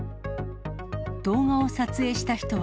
動画を撮影した人は。